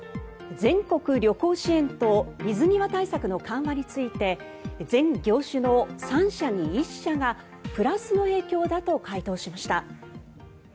全国旅行支援と水際対策の緩和について全業種の３社に１社がプラスの影響だと回答しました。